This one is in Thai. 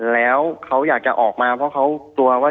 แล้วเขาอยากจะออกมาเพราะเขากลัวว่า